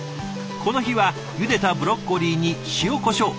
この日はゆでたブロッコリーに塩こしょう